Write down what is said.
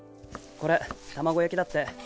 これ卵焼きだって。